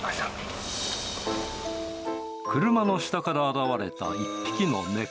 車の下から現れた１匹の猫。